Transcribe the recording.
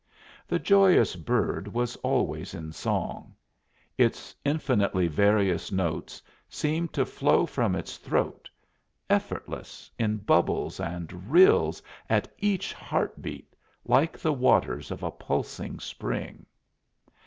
The joyous bird was always in song; its infinitely various notes seemed to flow from its throat, effortless, in bubbles and rills at each heart beat, like the waters of a pulsing spring.